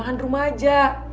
engga gak usah gak usah